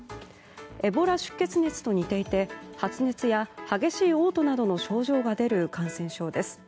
エボラ出血熱と似ていて発熱や激しい嘔吐などの症状が出る感染症です。